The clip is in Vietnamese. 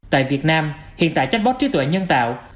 tại việt nam hiện tại chatbot trí tuệ nhân tạo